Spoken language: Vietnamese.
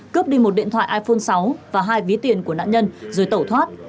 cướp đi một điện thoại iphone sáu và hai ví tiền của nạn nhân rồi tẩu thoát